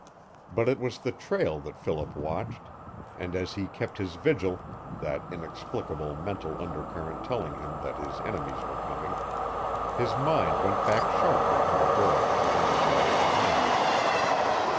But it was the trail that Philip watched; and as he kept his vigil that inexplicable mental undercurrent telling him that his enemies were coming his mind went back sharply to the girl a hundred yards behind him.